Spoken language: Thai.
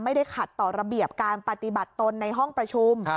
ไม่ได้ขัดต่อระเบียบการปฏิบัติตนในห้องประชุม